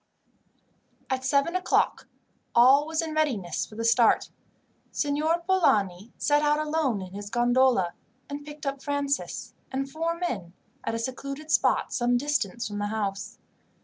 At seven o'clock all was in readiness for a start. Signor Polani set out alone in his gondola, and picked up Francis, and four men, at a secluded spot some distance from the house.